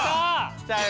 きたよ